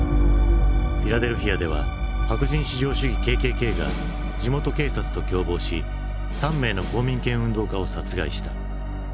フィラデルフィアでは白人至上主義ＫＫＫが地元警察と共謀し３名の公民権運動家を殺害した。